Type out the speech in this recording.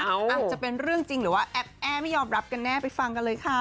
อาจจะเป็นเรื่องจริงหรือว่าแอปแอ้ไม่ยอมรับกันแน่ไปฟังกันเลยค่ะ